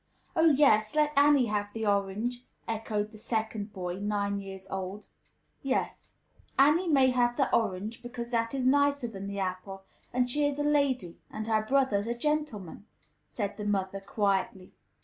"Oh, yes, let Annie have the orange," echoed the second boy, nine years old. "Yes, Annie may have the orange, because that is nicer than the apple, and she is a lady, and her brothers are gentlemen," said the mother, quietly.